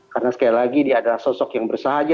karena sekali lagi dia adalah sosok yang bersahaja